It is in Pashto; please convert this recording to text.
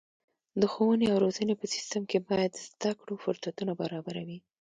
د ښوونې او روزنې په سیستم کې باید د زده کړو فرصتونه برابره وي.